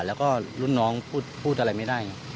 แล้วก็รุ่นน้องพูดอะไรไม่ได้